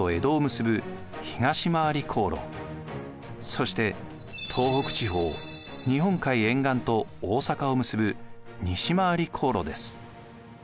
そして東北地方日本海沿岸と大坂を結ぶ西廻り航路です。